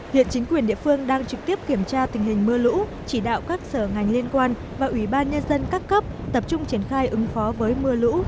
hiện chính quyền địa phương đang trực tiếp kiểm tra tình hình mưa lũ chỉ đạo các sở ngành liên quan và ủy ban nhân dân các cấp tập trung triển khai ứng phó với mưa lũ